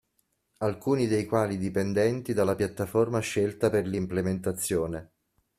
Alcuni dei quali dipendenti dalla piattaforma scelta per l'implementazione.